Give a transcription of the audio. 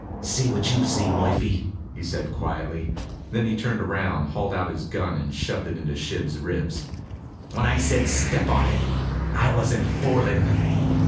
"See what you see, Murphy," he said quietly. Then he turned around, hauled out his gun, and shoved it into Shiv's ribs. "When I said step on it, I wasn't fooling."